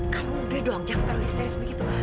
kamu muda dong jangan terlalu histeris begitu